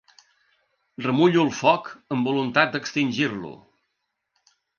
Remullo el foc amb voluntat d'extingir-lo.